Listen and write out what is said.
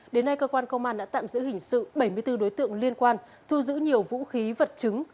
đến nay cơ quan công an đã tạm giữ hình sự bảy mươi bốn đối tượng liên quan thu giữ nhiều vũ khí vật chứng